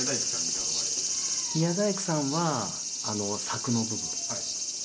宮大工さんは柵の部分。